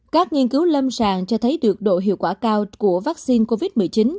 các nghiên cứu lâm sàng cho thấy được độ hiệu quả cao của vaccine covid một mươi chín